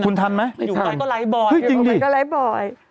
ไม่ทันให้ใครก็ไล่บ่อย